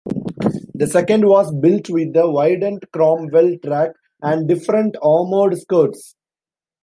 The second was built with a widened Cromwell track and different armoured skirts.